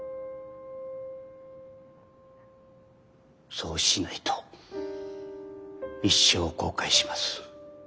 そうしないと一生後悔します。